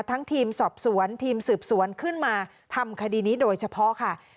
ทีมสอบสวนทีมสืบสวนขึ้นมาทำคดีนี้โดยเฉพาะค่ะ